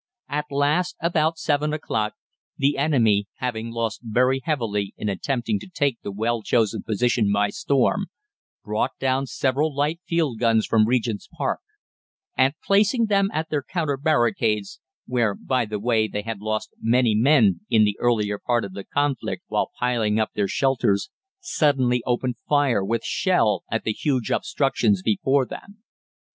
"At last, about seven o'clock, the enemy, having lost very heavily in attempting to take the well chosen position by storm, brought down several light field guns from Regent's Park; and, placing them at their counter barricades where, by the way, they had lost many men in the earlier part of the conflict while piling up their shelters suddenly opened fire with shell at the huge obstructions before them.